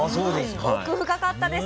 奥深かったです。